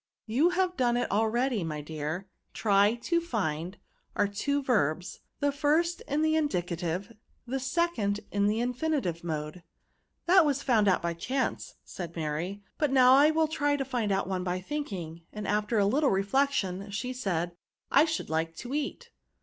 *' You have done it already ; my dear ; try to find ate two verbs, the first in the in dicative, the second in the infinitive mode." " That was found out by chance, " said Mary ;" but now I will try to find out one by thinking :" and after a little reflection, she said, " I should like to eat."